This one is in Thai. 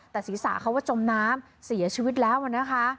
แต่ศีรษะเขาก็จมน้ำเสียชีวิตแล้วนะคะ